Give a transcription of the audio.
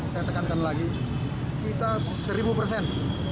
saya tekankan lagi kita seribu persen